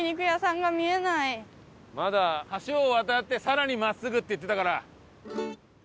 橋を渡って更に真っすぐって言ってたから。